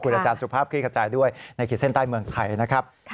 อาจารย์สุภาพคลี่ขจายด้วยในขีดเส้นใต้เมืองไทยนะครับ